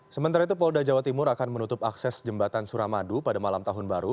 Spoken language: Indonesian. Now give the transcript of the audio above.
sementara itu polda jawa timur akan menutup akses jembatan suramadu pada malam tahun baru